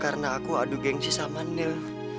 karena aku adu gengsi sama nil